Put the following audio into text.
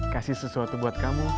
kasih sesuatu buat kamu